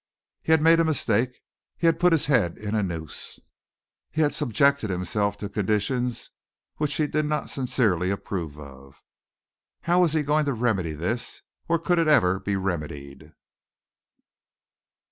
He had made a mistake. He had put his head in a noose. He had subjected himself to conditions which he did not sincerely approve of. How was he going to remedy this or could it ever be remedied?